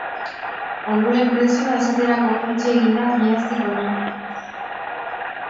Angulen prezioa esaterako jaitsi egin da iaztik hona.